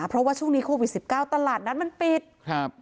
เพราะว่าช่วงนี้โควิดสิบเก้าตลาดนัดมันปิดครับ